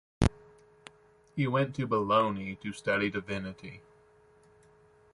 He next went to Bologna, to study divinity.